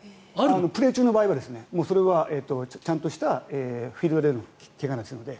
プレー中の場合はそれはちゃんとしたフィールドでの怪我ですので。